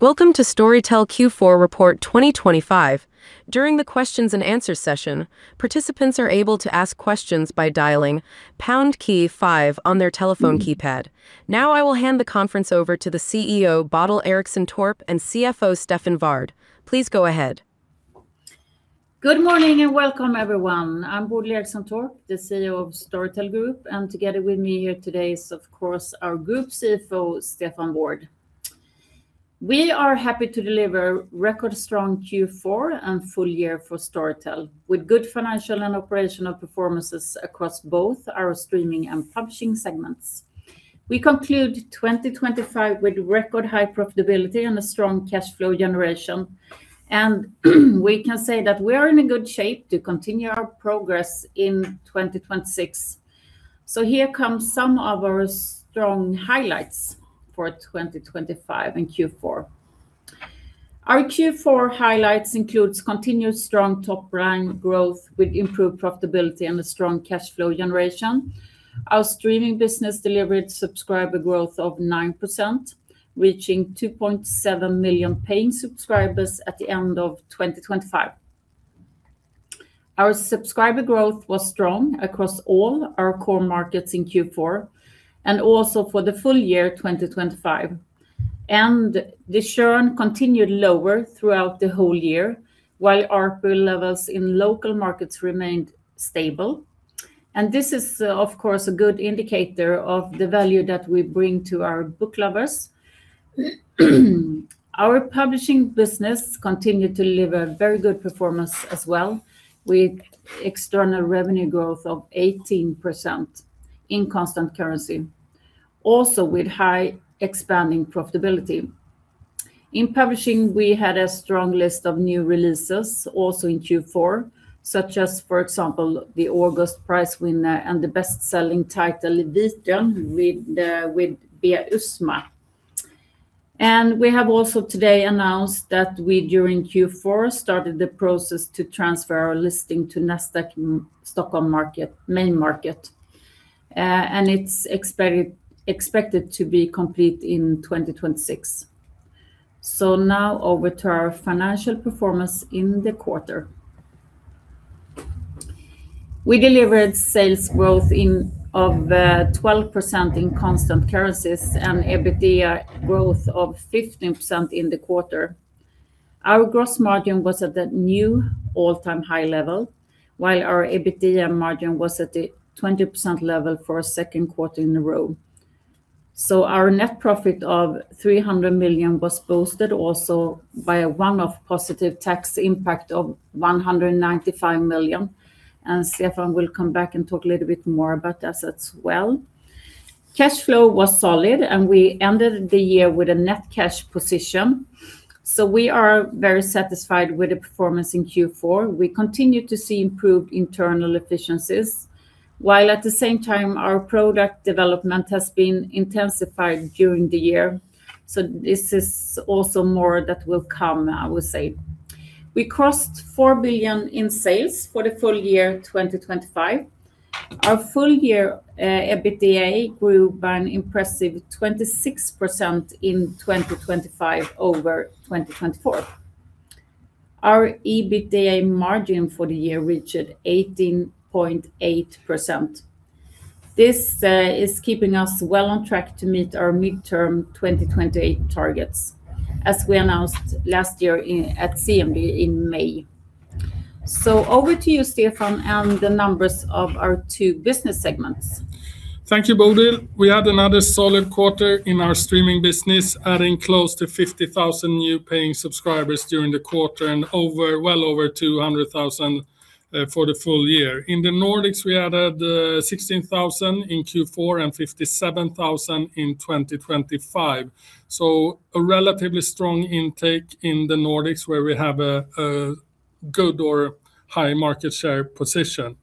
Welcome to Storytel Q4 Report 2025. During the questions-and-answers session, participants are able to ask questions by dialing pound key 5 on their telephone keypad. Now I will hand the conference over to the CEO Bodil Ericsson Torp and CFO Stefan Wård. Please go ahead. Good morning and welcome, everyone. I'm Bodil Ericsson Torp, the CEO of Storytel Group, and together with me here today is, of course, our Group CFO Stefan Wård. We are happy to deliver record-strong Q4 and full year for Storytel, with good financial and operational performances across both our Streaming and Publishing segments. We conclude 2025 with record high profitability and a strong cash flow generation, and we can say that we are in a good shape to continue our progress in 2026. So here come some of our strong highlights for 2025 and Q4. Our Q4 highlights include continued strong top-line growth with improved profitability and a strong cash flow generation. Our Streaming business delivered subscriber growth of 9%, reaching 2.7 million paying subscribers at the end of 2025. Our subscriber growth was strong across all our core markets in Q4 and also for the full year 2025, and the churn continued lower throughout the whole year while ARPU levels in local markets remained stable. This is, of course, a good indicator of the value that we bring to our book lovers. Our Publishing business continued to deliver very good performance as well, with external revenue growth of 18% in constant currency, also with high expanding profitability. In Publishing, we had a strong list of new releases also in Q4, such as, for example, the August Prize winner and the best-selling title Expeditionen with Bea Uusma. We have also today announced that we, during Q4, started the process to transfer our listing to Nasdaq Stockholm Main Market, and it's expected to be complete in 2026. Now over to our financial performance in the quarter. We delivered sales growth of 12% in constant currencies and EBITDA growth of 15% in the quarter. Our gross margin was at a new all-time high level, while our EBITDA margin was at the 20% level for a second quarter in a row. So our net profit of 300 million was boosted also by a one-off positive tax impact of 195 million, and Stefan will come back and talk a little bit more about that as well. Cash flow was solid, and we ended the year with a net cash position. So we are very satisfied with the performance in Q4. We continue to see improved internal efficiencies, while at the same time, our product development has been intensified during the year. So this is also more that will come, I would say. We crossed 4 billion in sales for the full year 2025. Our full year EBITDA grew by an impressive 26% in 2025 over 2024. Our EBITDA margin for the year reached 18.8%. This is keeping us well on track to meet our midterm 2028 targets, as we announced last year at CMD in May. So over to you, Stefan, and the numbers of our two business segments. Thank you, Bodil. We had another solid quarter in our Streaming business, adding close to 50,000 new paying subscribers during the quarter and well over 200,000 for the full year. In the Nordics, we added 16,000 in Q4 and 57,000 in 2025, so a relatively strong intake in the Nordics where we have a good or high market share position.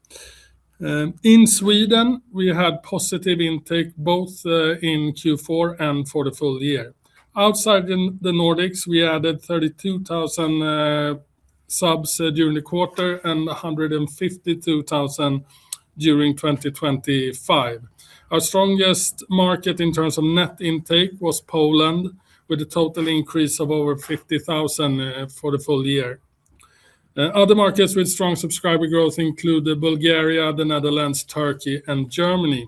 In Sweden, we had positive intake both in Q4 and for the full year. Outside the Nordics, we added 32,000 subs during the quarter and 152,000 during 2025. Our strongest market in terms of net intake was Poland, with a total increase of over 50,000 for the full year. Other markets with strong subscriber growth include Bulgaria, the Netherlands, Turkey, and Germany.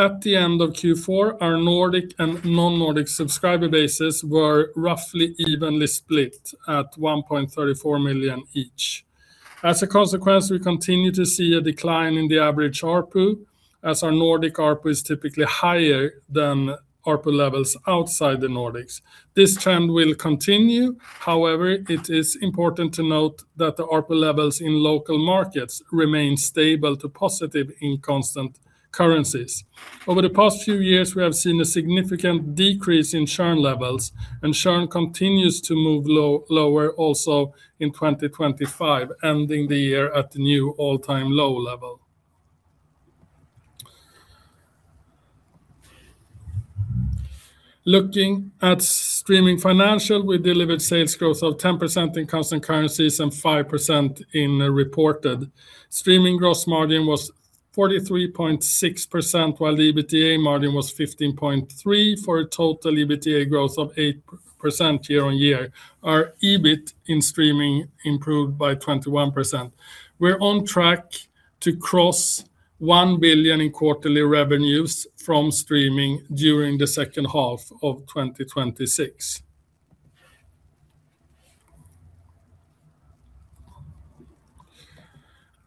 At the end of Q4, our Nordic and non-Nordic subscriber bases were roughly evenly split at 1.34 million each. As a consequence, we continue to see a decline in the average ARPU, as our Nordics ARPU is typically higher than ARPU levels outside the Nordics. This trend will continue. However, it is important to note that the ARPU levels in local markets remain stable to positive in constant currencies. Over the past few years, we have seen a significant decrease in churn levels, and churn continues to move lower also in 2025, ending the year at the new all-time low level. Looking at Streaming financial, we delivered sales growth of 10% in constant currencies and 5% in reported. Streaming gross margin was 43.6%, while the EBITDA margin was 15.3% for a total EBITDA growth of 8% year-over-year. Our EBIT in Streaming improved by 21%. We're on track to cross 1 billion in quarterly revenues from Streaming during the second half of 2026.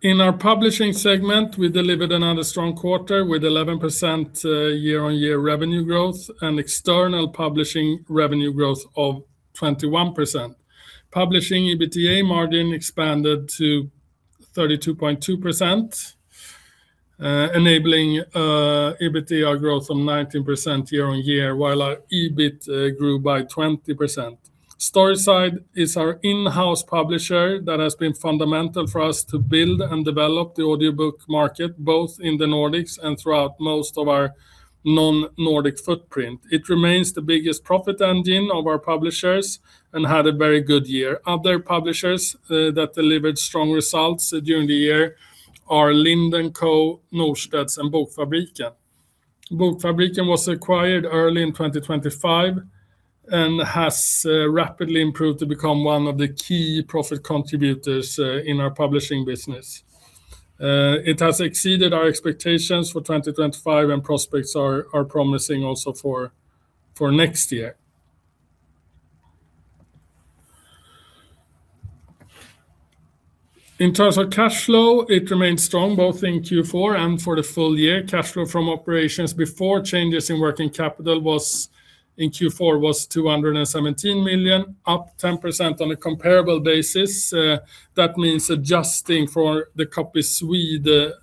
In our Publishing segment, we delivered another strong quarter with 11% year-on-year revenue growth and external Publishing revenue growth of 21%. Publishing EBITDA margin expanded to 32.2%, enabling EBITDA growth of 19% year-on-year, while our EBIT grew by 20%. Storyside is our in-house publisher that has been fundamental for us to build and develop the audiobook market, both in the Nordics and throughout most of our non-Nordic footprint. It remains the biggest profit engine of our publishers and had a very good year. Other publishers that delivered strong results during the year are Lind & Co, Norstedts and Bokfabriken. Bokfabriken was acquired early in 2025 and has rapidly improved to become one of the key profit contributors in our Publishing business. It has exceeded our expectations for 2025, and prospects are promising also for next year. In terms of cash flow, it remained strong both in Q4 and for the full year. Cash flow from operations before changes in working capital in Q4 was 217 million, up 10% on a comparable basis. That means adjusting for the Copyswede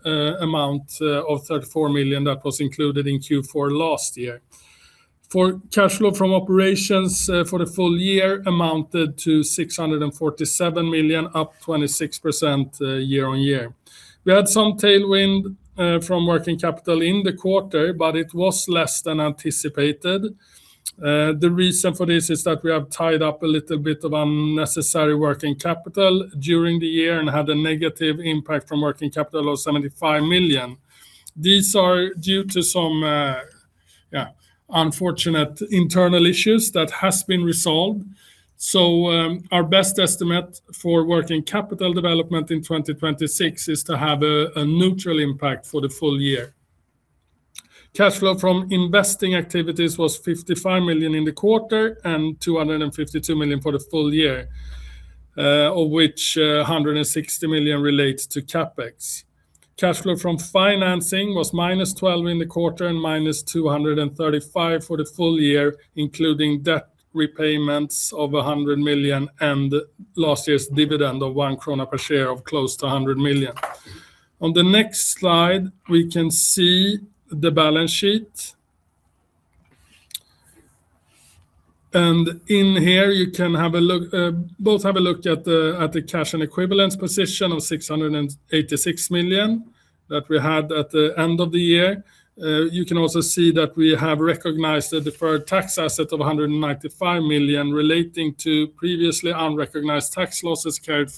amount of 34 million that was included in Q4 last year. For cash flow from operations for the full year, it amounted to 647 million, up 26% year-on-year. We had some tailwind from working capital in the quarter, but it was less than anticipated. The reason for this is that we have tied up a little bit of unnecessary working capital during the year and had a negative impact from working capital of 75 million. These are due to some unfortunate internal issues that have been resolved. Our best estimate for working capital development in 2026 is to have a neutral impact for the full year. Cash flow from investing activities was 55 million in the quarter and 252 million for the full year, of which 160 million relates to CapEx. Cash flow from financing was -12 million in the quarter and -235 million for the full year, including debt repayments of 100 million and last year's dividend of 1 krona per share of close to 100 million. On the next slide, we can see the balance sheet. In here, you can both have a look at the cash and equivalents position of 686 million that we had at the end of the year. You can also see that we have recognized a deferred tax asset of 195 million relating to previously unrecognized tax losses carried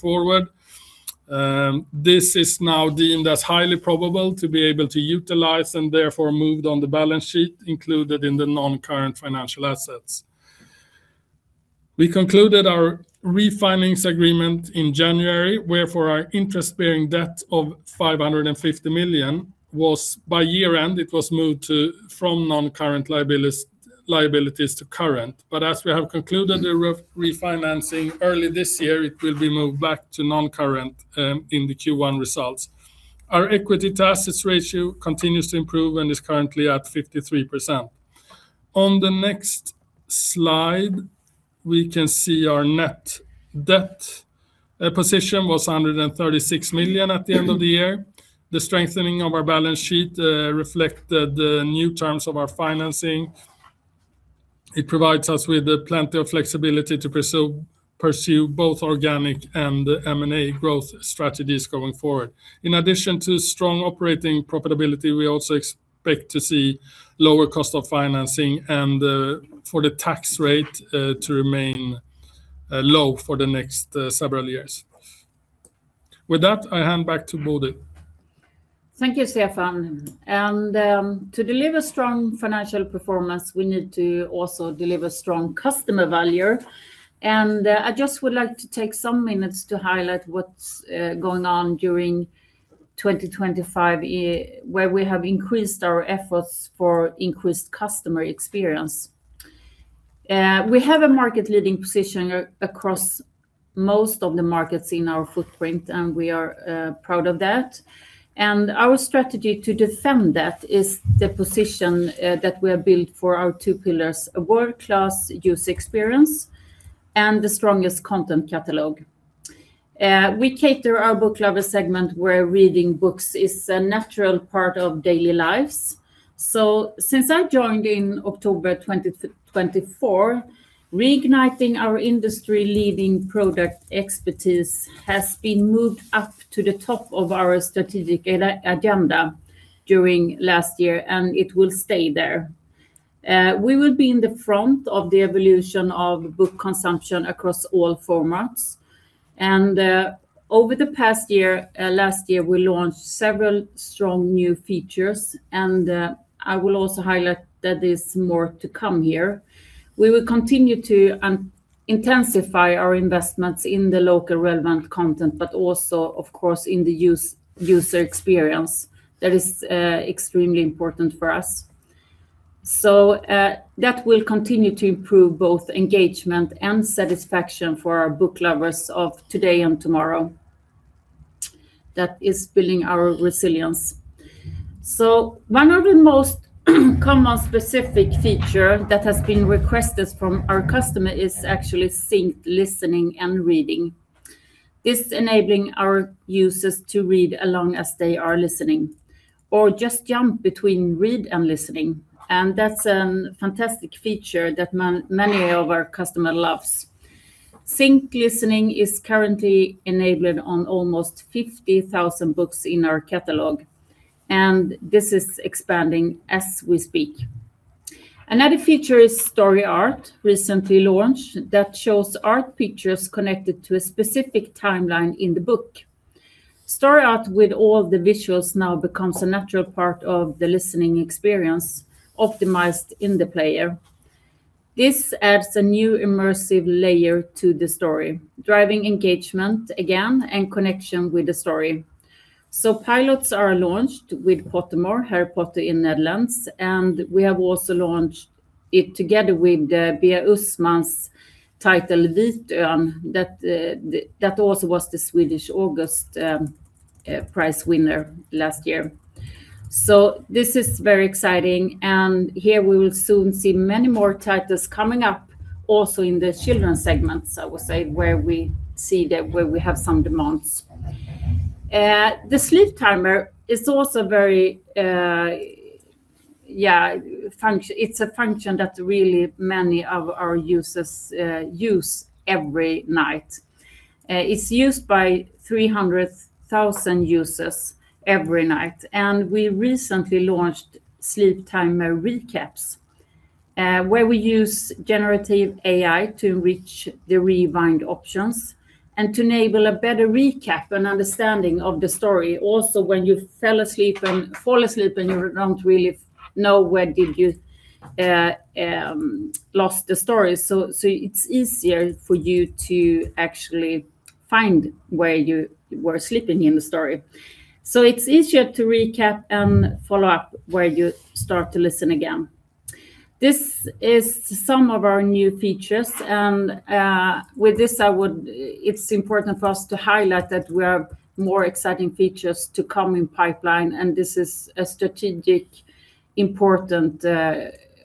forward. This is now deemed as highly probable to be able to utilize and therefore moved on the balance sheet included in the non-current financial assets. We concluded our refinance agreement in January, wherefore our interest-bearing debt of 550 million was, by year-end, moved from non-current liabilities to current. But as we have concluded the refinancing early this year, it will be moved back to non-current in the Q1 results. Our equity to assets ratio continues to improve and is currently at 53%. On the next slide, we can see our net debt position was 136 million at the end of the year. The strengthening of our balance sheet reflected new terms of our financing. It provides us with plenty of flexibility to pursue both organic and M&A growth strategies going forward. In addition to strong operating profitability, we also expect to see lower cost of financing and for the tax rate to remain low for the next several years. With that, I hand back to Bodil. Thank you, Stefan. To deliver strong financial performance, we need to also deliver strong customer value. I just would like to take some minutes to highlight what's going on during 2025, where we have increased our efforts for increased customer experience. We have a market-leading position across most of the markets in our footprint, and we are proud of that. Our strategy to defend that is the position that we have built for our two pillars: world-class use experience and the strongest content catalog. We cater our book lover segment where reading books is a natural part of daily lives. Since I joined in October 2024, reigniting our industry-leading product expertise has been moved up to the top of our strategic agenda during last year, and it will stay there. We will be in the front of the evolution of book consumption across all formats. Over the past year, last year, we launched several strong new features, and I will also highlight that there's more to come here. We will continue to intensify our investments in the local relevant content, but also, of course, in the user experience that is extremely important for us. So that will continue to improve both engagement and satisfaction for our book lovers of today and tomorrow. That is building our resilience. So one of the most common specific features that has been requested from our customers is actually synced listening and reading. This is enabling our users to read along as they are listening or just jump between read and listening. And that's a fantastic feature that many of our customers love. synced listening is currently enabled on almost 50,000 books in our catalog, and this is expanding as we speak. Another feature is StoryArt, recently launched, that shows art pictures connected to a specific timeline in the book. StoryArt, with all the visuals, now becomes a natural part of the listening experience, optimized in the player. This adds a new immersive layer to the story, driving engagement again and connection with the story. So pilots are launched with Pottermore, Harry Potter in the Netherlands, and we have also launched it together with Bea Uusma's title Vitön that also was the Swedish August Prize winner last year. So this is very exciting. And here, we will soon see many more titles coming up also in the children's segments, I would say, where we have some demands. The sleep timer is also very, it's a function that really many of our users use every night. It's used by 300,000 users every night. And we recently launched sleep timer recaps, where we use generative AI to enrich the rewind options and to enable a better recap and understanding of the story. Also, when you fall asleep and you don't really know where did you lost the story, so it's easier for you to actually find where you were sleeping in the story. So it's easier to recap and follow up where you start to listen again. This is some of our new features. And with this, it's important for us to highlight that we have more exciting features to come in pipeline. And this is a strategically important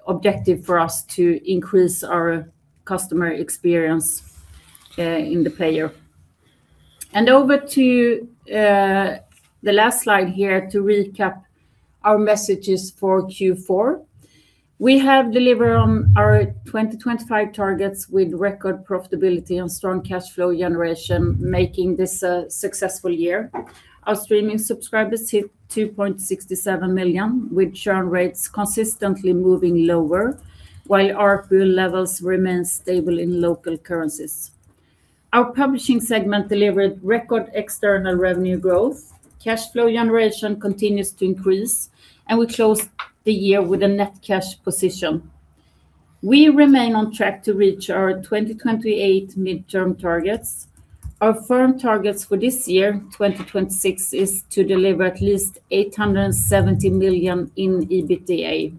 objective for us to increase our customer experience in the player. And over to the last slide here to recap our messages for Q4. We have delivered on our 2025 targets with record profitability and strong cash flow generation, making this a successful year. Our Streaming subscribers hit 2.67 million, with churn rates consistently moving lower while RPO levels remain stable in local currencies. Our Publishing segment delivered record external revenue growth. Cash flow generation continues to increase, and we closed the year with a net cash position. We remain on track to reach our 2028 midterm targets. Our firm targets for this year, 2026, are to deliver at least 870 million in EBITDA.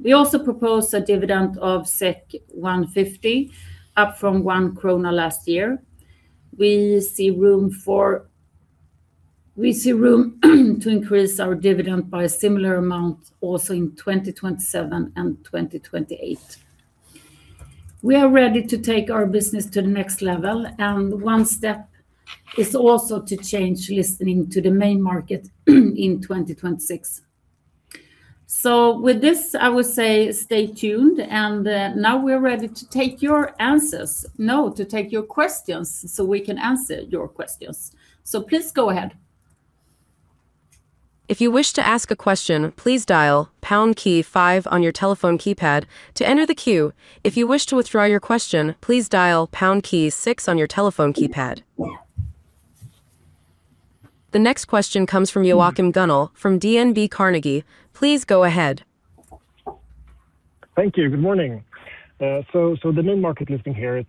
We also propose a dividend of 1.50, up from 1 krona last year. We see room to increase our dividend by a similar amount also in 2027 and 2028. We are ready to take our business to the next level. One step is also to change listing to the main market in 2026. With this, I would say stay tuned. Now we are ready to take your answers—no, to take your questions so we can answer your questions. Please go ahead. If you wish to ask a question, please dial pound key five on your telephone keypad to enter the queue. If you wish to withdraw your question, please dial pound key six on your telephone keypad. The next question comes from Joachim Gunell from DNB Carnegie. Please go ahead. Thank you. Good morning. The main market listing here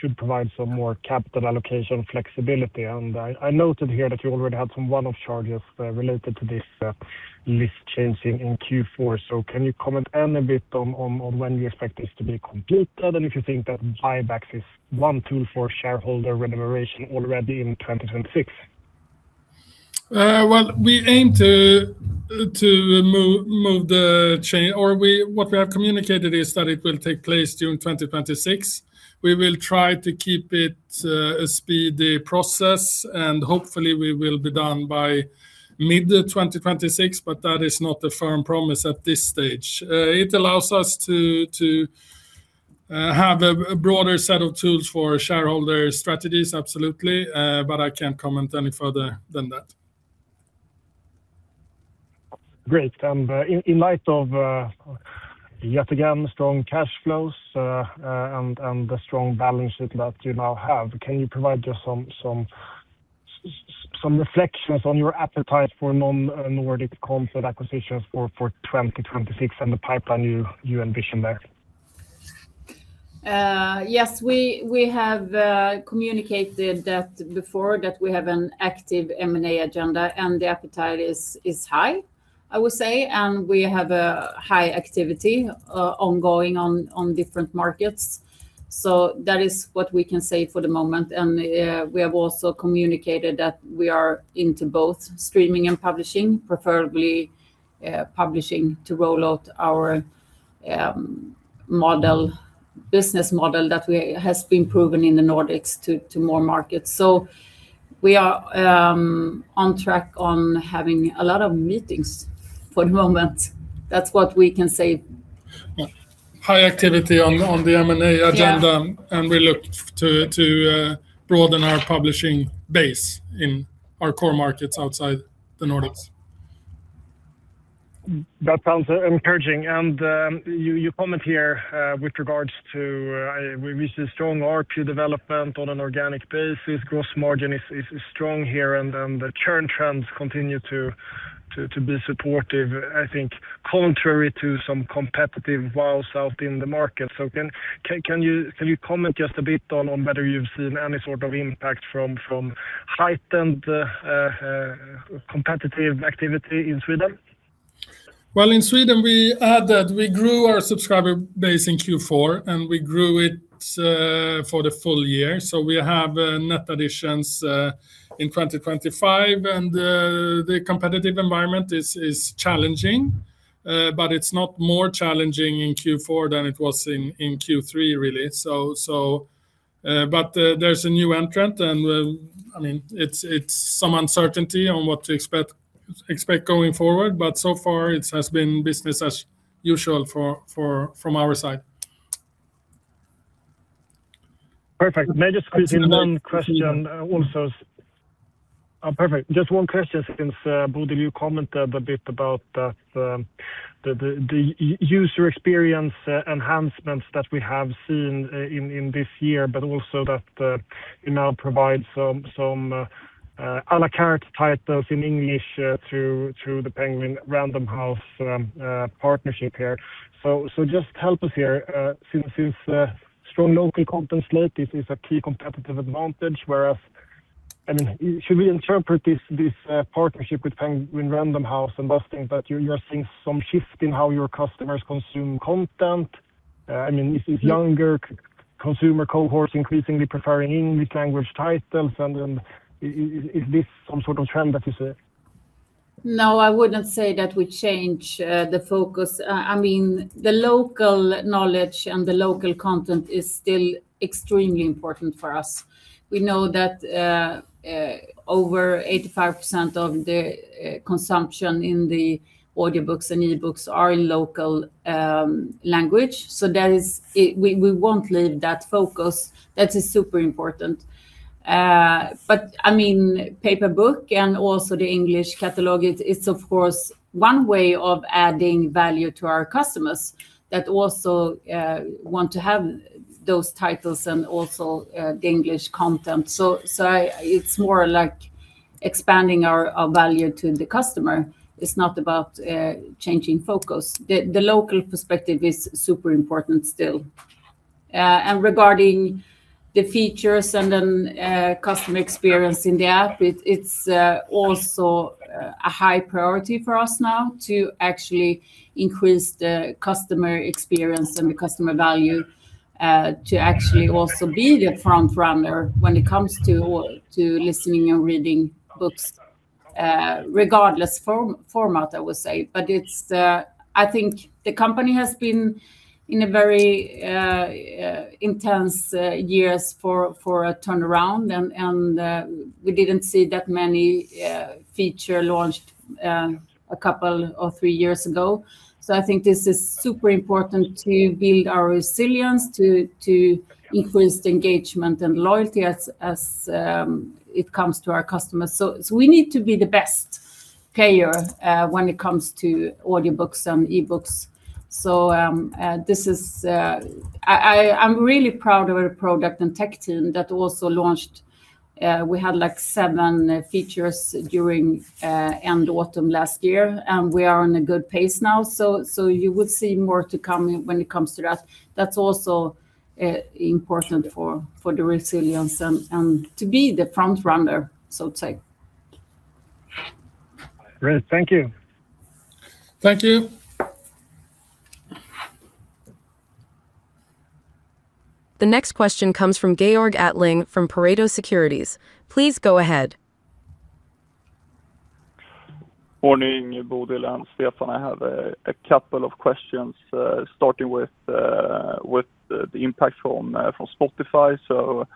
should provide some more capital allocation flexibility. I noted here that you already had some one-off charges related to this listing changing in Q4. Can you comment a bit on when you expect this to be completed and if you think that buybacks is one tool for shareholder remuneration already in 2026? Well, we aim to move the change, or what we have communicated is that it will take place during 2026. We will try to keep it a speedy process, and hopefully, we will be done by mid-2026, but that is not a firm promise at this stage. It allows us to have a broader set of tools for shareholder strategies, absolutely, but I can't comment any further than that. Great. In light of, yet again, strong cash flows and the strong balance sheet that you now have, can you provide just some reflections on your appetite for non-Nordic content acquisitions for 2026 and the pipeline you envision there? Yes. We have communicated before that we have an active M&A agenda, and the appetite is high, I would say. We have high activity ongoing on different markets. That is what we can say for the moment. We have also communicated that we are into both Streaming and Publishing, preferably Publishing to roll out our business model that has been proven in the Nordics to more markets. We are on track on having a lot of meetings for the moment. That's what we can say. High activity on the M&A agenda, and we look to broaden our Publishing base in our core markets outside the Nordics. That sounds encouraging. You comment here with regards to, we see strong ARPU development on an organic basis. Gross margin is strong here, and the churn trends continue to be supportive, I think, contrary to some competitive woes out in the market. Can you comment just a bit on whether you've seen any sort of impact from heightened competitive activity in Sweden? Well, in Sweden, we grew our subscriber base in Q4, and we grew it for the full year. So we have net additions in 2025, and the competitive environment is challenging. But it's not more challenging in Q4 than it was in Q3, really. But there's a new entrant, and I mean, it's some uncertainty on what to expect going forward. But so far, it has been business as usual from our side. Perfect. May I just squeeze in one question also? Perfect. Just one question since Bodil, you commented a bit about the user experience enhancements that we have seen in this year, but also that you now provide some à la carte titles in English through the Penguin Random House partnership here. So just help us here. Since strong local content slate is a key competitive advantage, whereas - I mean, should we interpret this partnership with Penguin Random House but seeing that you're seeing some shift in how your customers consume content? I mean, is younger consumer cohorts increasingly preferring English-language titles? And is this some sort of trend that you see? No, I wouldn't say that we change the focus. I mean, the local knowledge and the local content is still extremely important for us. We know that over 85% of the consumption in the audiobooks and ebooks are in local language. So we won't leave that focus. That is super important. But I mean, paper book and also the English catalog, it's, of course, one way of adding value to our customers that also want to have those titles and also the English content. So it's more like expanding our value to the customer. It's not about changing focus. The local perspective is super important still. Regarding the features and then customer experience in the app, it's also a high priority for us now to actually increase the customer experience and the customer value to actually also be the front runner when it comes to listening and reading books, regardless format, I would say. But I think the company has been in very intense years for a turnaround, and we didn't see that many features launched a couple or three years ago. So I think this is super important to build our resilience, to increase the engagement and loyalty as it comes to our customers. So we need to be the best player when it comes to audiobooks and ebooks. So this is, I'm really proud of our product and tech team that also launched. We had seven features during end autumn last year, and we are in a good pace now. You will see more to come when it comes to that. That's also important for the resilience and to be the front runner, so to say. Great. Thank you. Thank you. The next question comes from Georg Attling from Pareto Securities. Please go ahead. Morning, Bodil and Stefan. I have a couple of questions starting with the impact from Spotify. So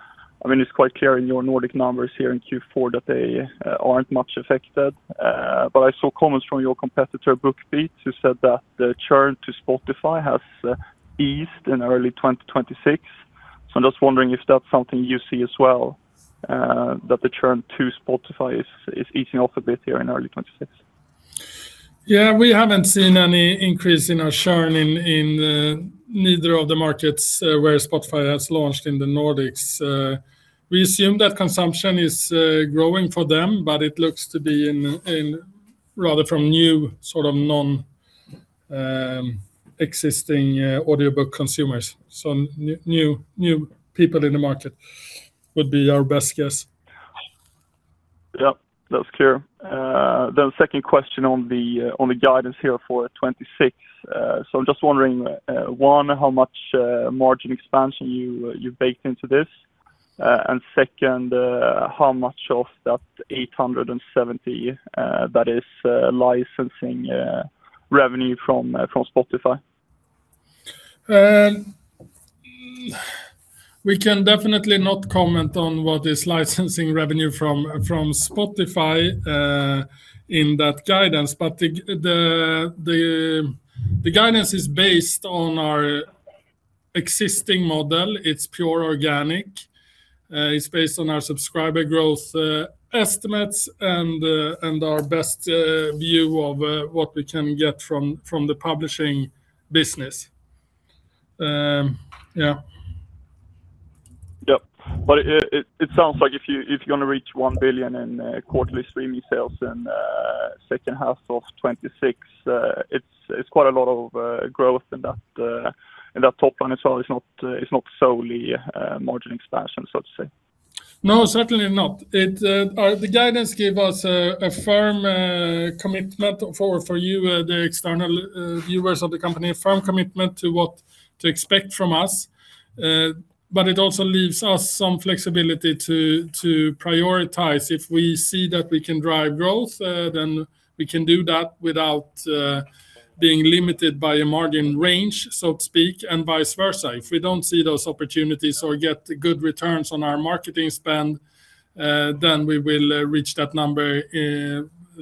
I mean, it's quite clear in your Nordics numbers here in Q4 that they aren't much affected. But I saw comments from your competitor, BookBeat, who said that the churn to Spotify has eased in early 2026. So I'm just wondering if that's something you see as well, that the churn to Spotify is easing off a bit here in early 2026. Yeah, we haven't seen any increase in our churn in neither of the markets where Spotify has launched in the Nordics. We assume that consumption is growing for them, but it looks to be rather from new sort of non-existing audiobook consumers. So new people in the market would be our best guess. Yeah, that's clear. Then second question on the guidance here for 2026. So I'm just wondering, one, how much margin expansion you baked into this? And second, how much of that 870 million that is licensing revenue from Spotify? We can definitely not comment on what is licensing revenue from Spotify in that guidance. But the guidance is based on our existing model. It's pure organic. It's based on our subscriber growth estimates and our best view of what we can get from the Publishing business. Yeah. Yeah. But it sounds like if you're going to reach 1 billion in quarterly Streaming sales in the second half of 2026, it's quite a lot of growth in that top line as well. It's not solely margin expansion, so to say. No, certainly not. The guidance gave us a firm commitment for you, the external viewers of the company, a firm commitment to what to expect from us. But it also leaves us some flexibility to prioritize. If we see that we can drive growth, then we can do that without being limited by a margin range, so to speak, and vice versa. If we don't see those opportunities or get good returns on our marketing spend, then we will reach that number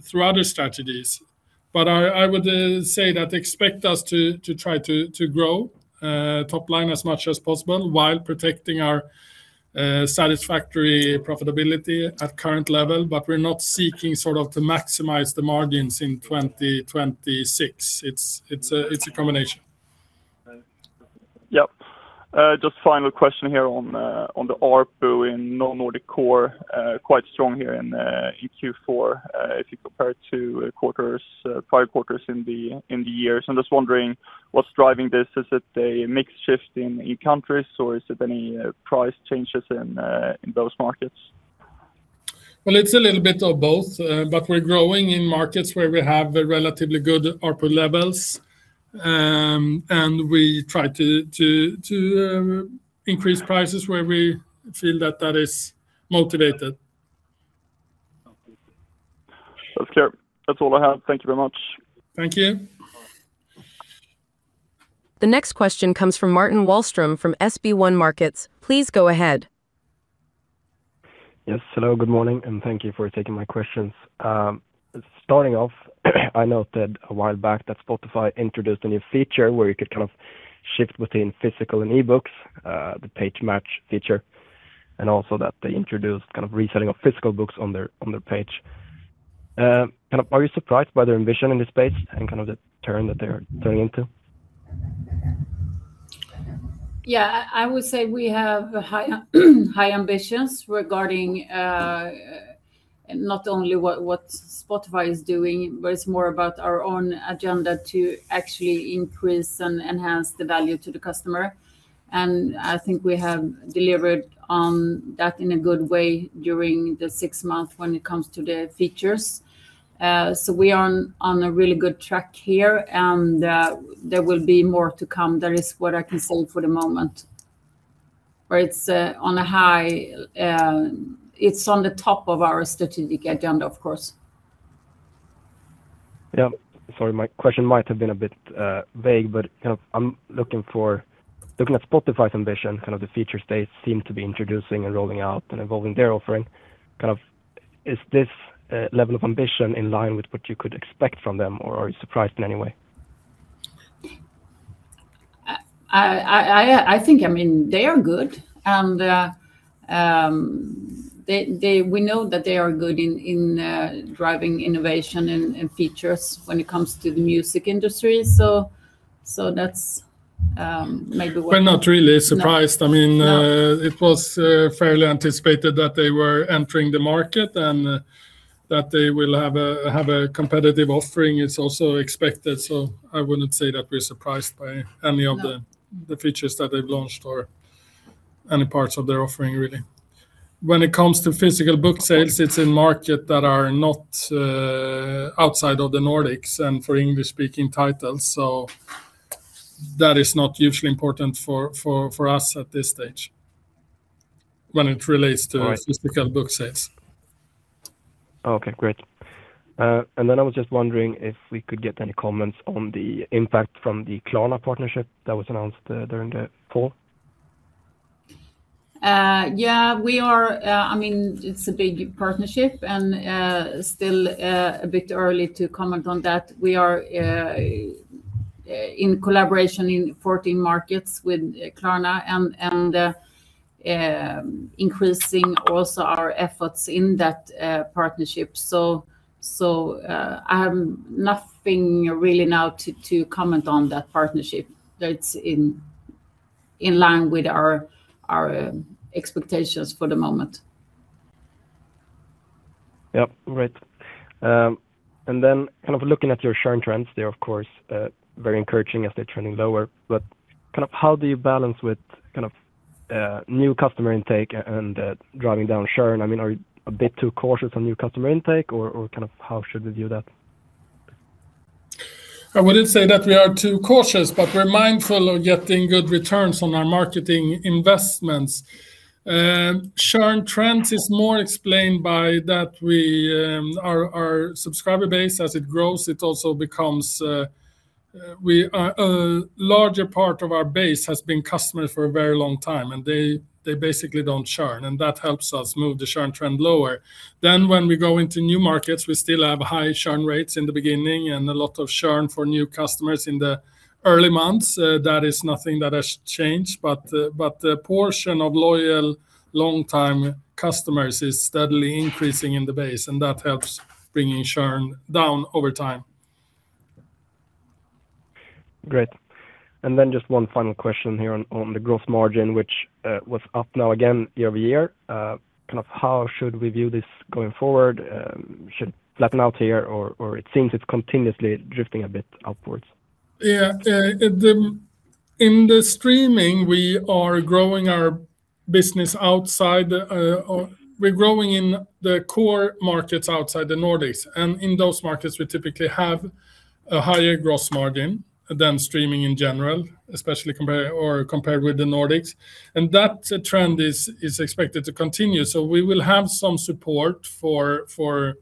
through other strategies. But I would say that expect us to try to grow top line as much as possible while protecting our satisfactory profitability at current level. But we're not seeking sort of to maximize the margins in 2026. It's a combination. Yep. Just final question here on the ARPU in Non-Nordics Core, quite strong here in Q4 if you compare to five quarters in the years. I'm just wondering what's driving this. Is it a mixed shift in countries, or is it any price changes in those markets? Well, it's a little bit of both. But we're growing in markets where we have relatively good ARPU levels, and we try to increase prices where we feel that that is motivated. That's clear. That's all I have. Thank you very much. Thank you. The next question comes from Martin Wahlström from SB1 Markets. Please go ahead. Yes. Hello. Good morning. Thank you for taking my questions. Starting off, I noted a while back that Spotify introduced a new feature where you could kind of shift between physical and ebooks, the page match feature, and also that they introduced kind of reselling of physical books on their page. Kind of, are you surprised by their ambition in this space and kind of the turn that they are turning into? Yeah. I would say we have high ambitions regarding not only what Spotify is doing, but it's more about our own agenda to actually increase and enhance the value to the customer. And I think we have delivered on that in a good way during the six months when it comes to the features. So we are on a really good track here, and there will be more to come. That is what I can say for the moment. But it's on a high it's on the top of our strategic agenda, of course. Yeah. Sorry. My question might have been a bit vague, but kind of I'm looking at Spotify's ambition, kind of the features they seem to be introducing and rolling out and evolving their offering. Kind of, is this level of ambition in line with what you could expect from them, or are you surprised in any way? I think, I mean, they are good. We know that they are good in driving innovation and features when it comes to the music industry. That's maybe what. But not really surprised. I mean, it was fairly anticipated that they were entering the market and that they will have a competitive offering is also expected. So I wouldn't say that we're surprised by any of the features that they've launched or any parts of their offering, really. When it comes to physical book sales, it's in markets that are not outside of the Nordics and for English-speaking titles. So that is not usually important for us at this stage when it relates to physical book sales. Okay. Great. And then I was just wondering if we could get any comments on the impact from the Klarna partnership that was announced during the fall. Yeah. I mean, it's a big partnership, and still a bit early to comment on that. We are in collaboration in 14 markets with Klarna and increasing also our efforts in that partnership. So I have nothing really now to comment on that partnership. It's in line with our expectations for the moment. Yep. Great. And then kind of looking at your churn trends, they're, of course, very encouraging as they're trending lower. But kind of how do you balance with kind of new customer intake and driving down churn? I mean, are you a bit too cautious on new customer intake, or kind of how should we view that? I wouldn't say that we are too cautious, but we're mindful of getting good returns on our marketing investments. Churn trends is more explained by that our subscriber base, as it grows, it also becomes a larger part of our base has been customers for a very long time, and they basically don't churn. That helps us move the churn trend lower. Then when we go into new markets, we still have high churn rates in the beginning and a lot of churn for new customers in the early months. That is nothing that has changed. But the portion of loyal long-time customers is steadily increasing in the base, and that helps bringing churn down over time. Great. And then just one final question here on the gross margin, which was up now again year-over-year. Kind of how should we view this going forward? Should it flatten out here, or it seems it's continuously drifting a bit upwards? Yeah. In the Streaming, we are growing our business outside we're growing in the core markets outside the Nordics. And in those markets, we typically have a higher gross margin than Streaming in general, especially compared with the Nordics. And that trend is expected to continue. So we will have some support for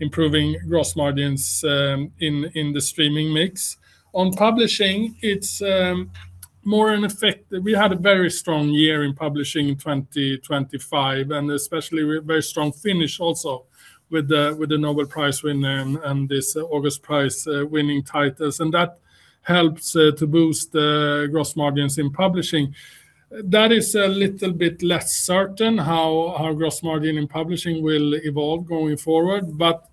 improving gross margins in the Streaming mix. On Publishing, it's more an effect we had a very strong year in Publishing in 2025, and especially very strong finish also with the Nobel Prize winner and this August Prize-winning titles. And that helps to boost gross margins in Publishing. That is a little bit less certain how gross margin in Publishing will evolve going forward. But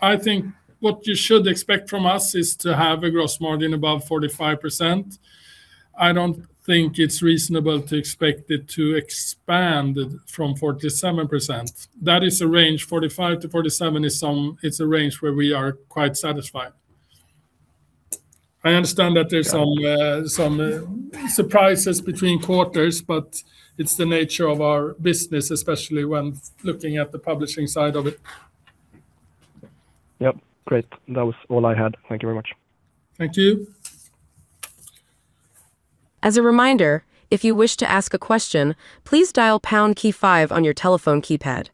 I think what you should expect from us is to have a gross margin above 45%. I don't think it's reasonable to expect it to expand from 47%. That is a range. 45%-47% is a range where we are quite satisfied. I understand that there's some surprises between quarters, but it's the nature of our business, especially when looking at the Publishing side of it. Yep. Great. That was all I had. Thank you very much. Thank you. As a reminder, if you wish to ask a question, please dial pound key five on your telephone keypad.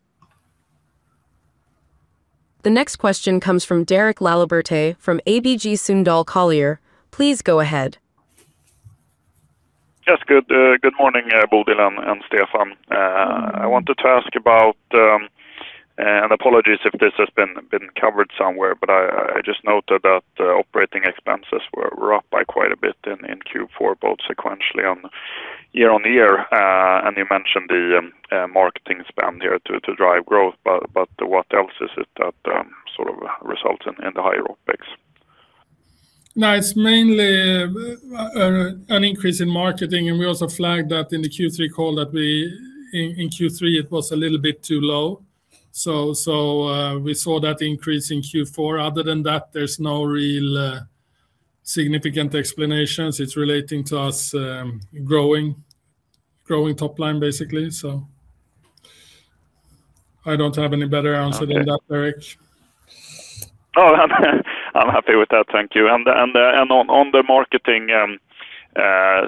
The next question comes from Derek Laliberté from ABG Sundal Collier. Please go ahead. Yes. Good morning, Bodil and Stefan. I wanted to ask about, and apologies if this has been covered somewhere, but I just noted that operating expenses were up by quite a bit in Q4, both sequentially and year-on-year. You mentioned the marketing spend here to drive growth. But what else is it that sort of results in the higher OpEx? No, it's mainly an increase in marketing. And we also flagged that in the Q3 call that we in Q3, it was a little bit too low. So we saw that increase in Q4. Other than that, there's no real significant explanations. It's relating to us growing top line, basically. So I don't have any better answer than that, Derek. Oh, I'm happy with that. Thank you. And on the marketing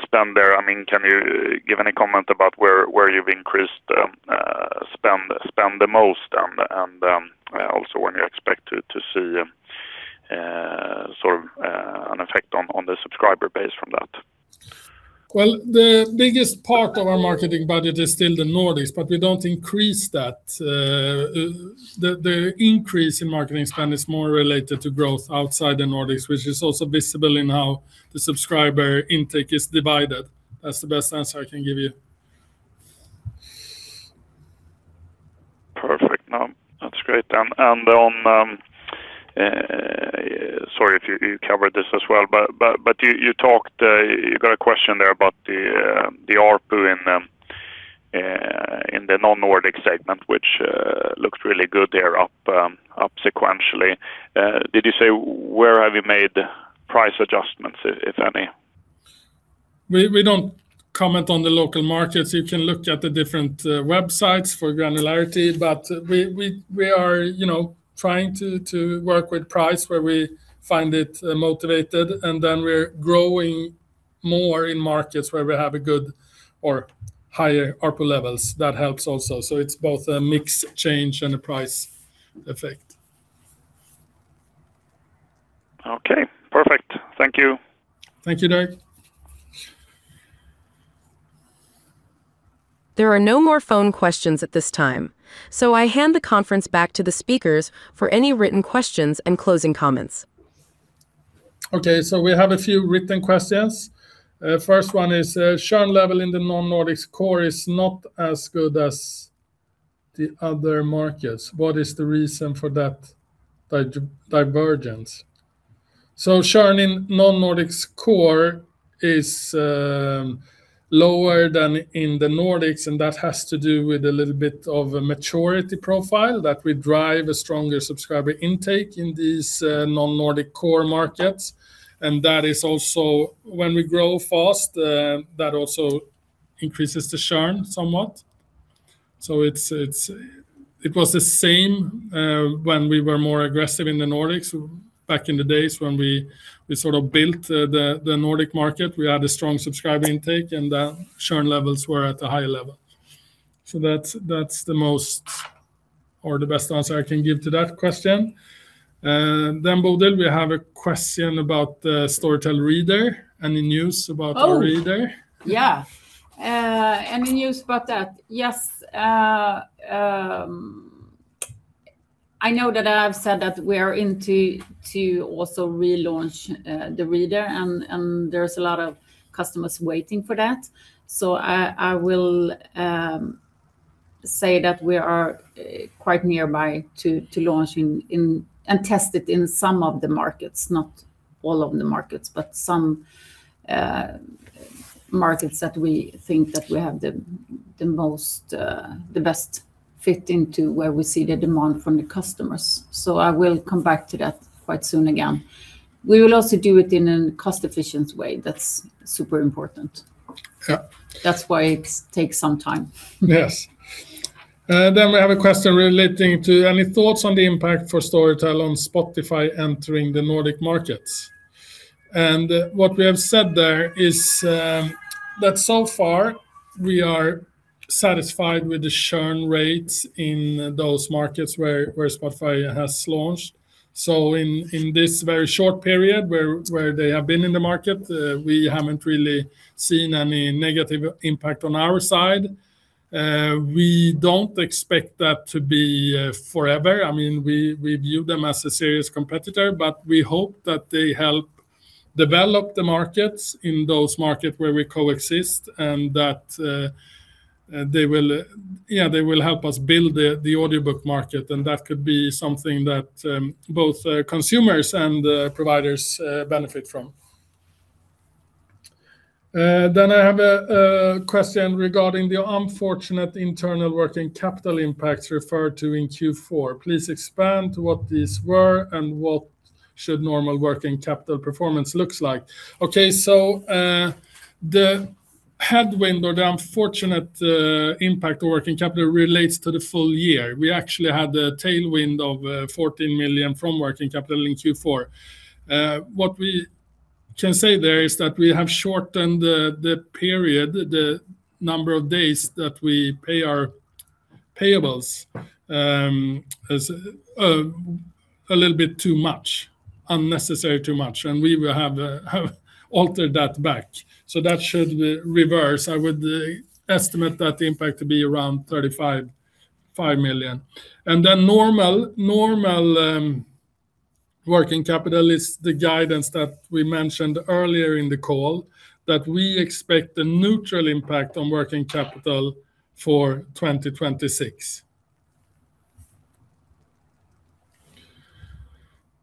spend there, I mean, can you give any comment about where you've increased spend the most and also when you expect to see sort of an effect on the subscriber base from that? Well, the biggest part of our marketing budget is still the Nordics, but we don't increase that. The increase in marketing spend is more related to growth outside the Nordics, which is also visible in how the subscriber intake is divided. That's the best answer I can give you. Perfect. No, that's great. And on sorry if you covered this as well, but you got a question there about the ARPU in the Non-Nordics segment, which looked really good here up sequentially. Did you say where have you made price adjustments, if any? We don't comment on the local markets. You can look at the different websites for granularity, but we are trying to work with price where we find it motivated. And then we're growing more in markets where we have a good or higher RPO levels. That helps also. So it's both a mixed change and a price effect. Okay. Perfect. Thank you. Thank you, Derek. There are no more phone questions at this time, so I hand the conference back to the speakers for any written questions and closing comments. Okay. So we have a few written questions. First one is, churn level in the Non-Nordics Core is not as good as the other markets. What is the reason for that divergence? So churn in Non-Nordics Core is lower than in the Nordics, and that has to do with a little bit of a maturity profile that we drive a stronger subscriber intake in these Non-Nordics Core markets. And that is also when we grow fast, that also increases the churn somewhat. So it was the same when we were more aggressive in the Nordics. Back in the days when we sort of built the Nordic market, we had a strong subscriber intake, and the churn levels were at a higher level. So that's the most or the best answer I can give to that question. Bodil, we have a question about Storytel Reader and the news about our reader. Oh. Yeah. Any news about that? Yes. I know that I have said that we are into also relaunch the reader, and there's a lot of customers waiting for that. So I will say that we are quite nearby to launch and test it in some of the markets, not all of the markets, but some markets that we think that we have the best fit into where we see the demand from the customers. So I will come back to that quite soon again. We will also do it in a cost-efficient way. That's super important. That's why it takes some time. Yes. Then we have a question relating to any thoughts on the impact for Storytel on Spotify entering the Nordic markets. And what we have said there is that so far, we are satisfied with the churn rates in those markets where Spotify has launched. So in this very short period where they have been in the market, we haven't really seen any negative impact on our side. We don't expect that to be forever. I mean, we view them as a serious competitor, but we hope that they help develop the markets in those markets where we coexist and that, yeah, they will help us build the audiobook market. And that could be something that both consumers and providers benefit from. Then I have a question regarding the unfortunate internal working capital impacts referred to in Q4. Please expand what these were and what should normal working capital performance look like? Okay. So the headwind or the unfortunate impact of working capital relates to the full year. We actually had a tailwind of 14 million from working capital in Q4. What we can say there is that we have shortened the period, the number of days that we pay our payables a little bit too much, unnecessarily too much. And we have altered that back. So that should reverse. I would estimate that the impact to be around 35 million. And then normal working capital is the guidance that we mentioned earlier in the call, that we expect a neutral impact on working capital for 2026.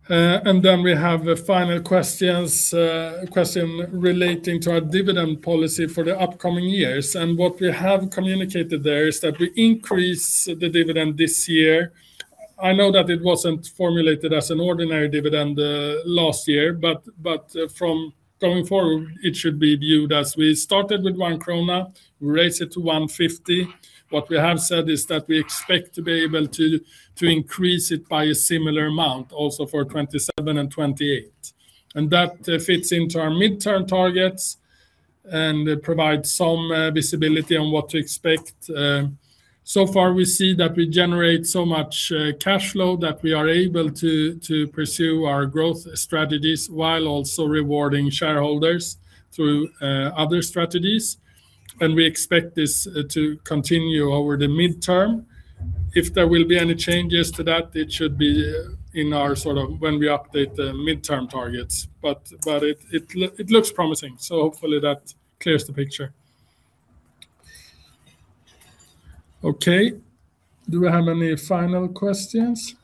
And then we have a final question relating to our dividend policy for the upcoming years. And what we have communicated there is that we increase the dividend this year. I know that it wasn't formulated as an ordinary dividend last year, but going forward, it should be viewed as we started with 1 krona, we raise it to 150. What we have said is that we expect to be able to increase it by a similar amount also for 2027 and 2028. That fits into our mid-term targets and provides some visibility on what to expect. So far, we see that we generate so much cash flow that we are able to pursue our growth strategies while also rewarding shareholders through other strategies. We expect this to continue over the mid-term. If there will be any changes to that, it should be in our sort of when we update the mid-term targets. It looks promising. Hopefully, that clears the picture. Okay. Do we have any final questions?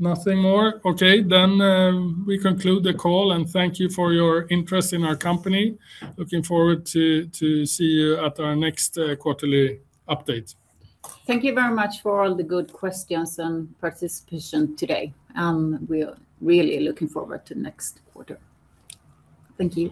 Nothing more? Okay. Then we conclude the call. Thank you for your interest in our company. Looking forward to seeing you at our next quarterly update. Thank you very much for all the good questions and participation today. We're really looking forward to next quarter. Thank you.